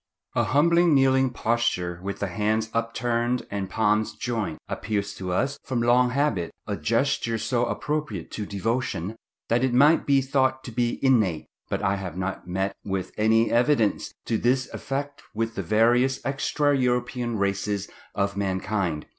A humble kneeling posture, with the hands upturned and palms joined, appears to us, from long habit, a gesture so appropriate to devotion, that it might be thought to be innate; but I have not met with any evidence to this effect with the various extra European races of mankind.